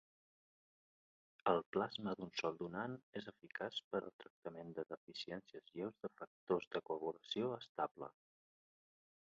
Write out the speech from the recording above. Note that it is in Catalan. El plasma d'un sol donant és eficaç per al tractament de deficiències lleus de factors de coagulació estable.